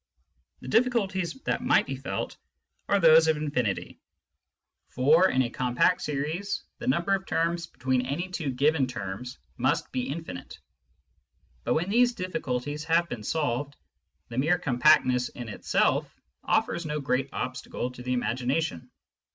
The difficulties that might be felt are those of injSnity, for in a compact series the number of terms between any two given terms must be infinite. But when these difficulties have been solved, the mere compactness in itself offers no great obstacle to the imagination.